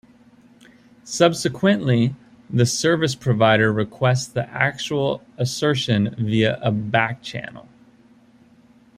Subsequently, the service provider requests the actual assertion via a back channel.